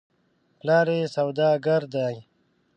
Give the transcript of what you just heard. پلار یې سودا ګر دی .